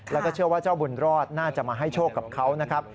แล้วก็เชื่อว่าเจ้าบุญรอดน่าจะมาให้โชคกับเขานะครับ